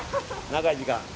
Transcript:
長い時間。